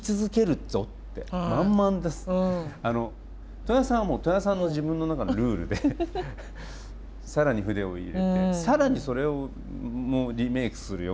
戸谷さんはもう戸谷さんの自分の中のルールで更に筆を入れて更にそれもリメイクするよみたいな。